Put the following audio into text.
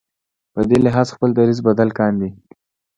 په دې لحاظ خپل دریځ بدل کاندي.